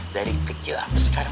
dari kecil sampai sekarang